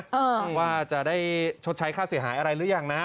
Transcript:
ว่าจะได้ชดใช้ค่าเสียหายอะไรหรือยังนะ